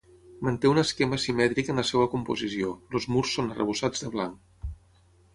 Manté un esquema simètric en la seva composició, els murs són arrebossats de blanc.